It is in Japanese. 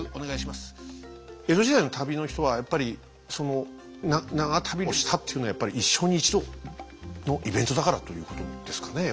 江戸時代の旅の人はやっぱりその長旅をしたっていうのはやっぱり一生に一度のイベントだからということですかねえ？